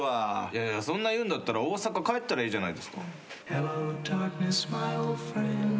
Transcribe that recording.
そんな言うんだったら大阪帰ったらいいじゃないですか。